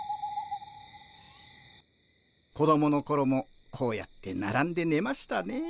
子供の頃もこうやってならんでねましたね。